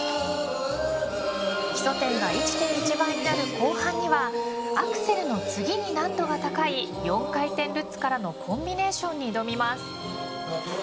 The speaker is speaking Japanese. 基礎点が１．１倍になる後半にはアクセルの次に難度が高い４回転ルッツからのコンビネーションに挑みます。